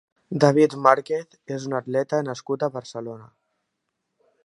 David Márquez és un atleta nascut a Barcelona.